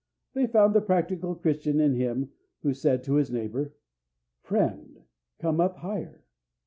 They found the practical Christian in him who said to his neighbor, "Friend, come up higher."